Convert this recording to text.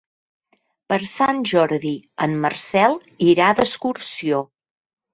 Per Sant Jordi en Marcel irà d'excursió.